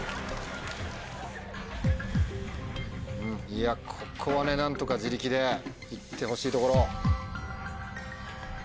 いやここはね何とか自力で行ってほしいところ。